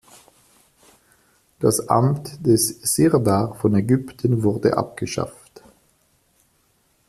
Das Amt des Sirdar von Ägypten wurde abgeschafft.